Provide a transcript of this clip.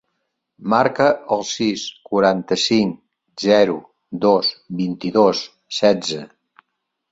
Marca el sis, quaranta-cinc, zero, dos, vint-i-dos, setze.